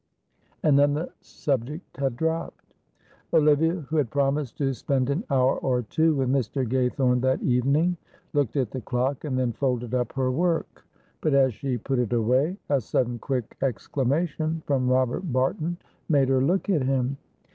And then the subject had dropped. Olivia, who had promised to spend an hour or two with Mr. Gaythorne that evening, looked at the clock, and then folded up her work; but as she put it away, a sudden quick exclamation from Robert Barton made her look at him.